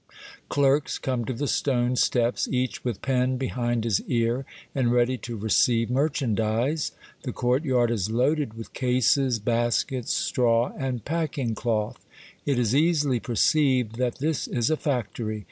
Clerks come to the stone steps, each with pen be hind his ear, and ready to receive merchandise. The courtyard is loaded with cases, baskets, straw, and packing cloth. It is easily perceived that this is a factory.